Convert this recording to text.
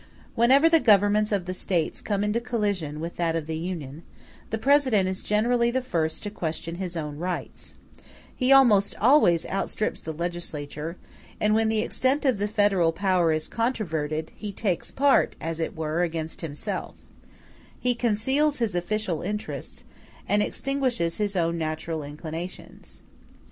Whenever the governments of the States come into collision with that of the Union, the President is generally the first to question his own rights: he almost always outstrips the legislature; and when the extent of the federal power is controverted, he takes part, as it were, against himself; he conceals his official interests, and extinguishes his own natural inclinations.